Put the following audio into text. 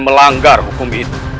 melanggar hukum itu